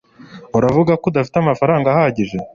Uravuga ko udafite amafaranga ahagije